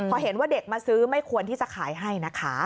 พอเห็นว่าเด็กมาซื้อไม่ควรที่จะขายให้นะคะ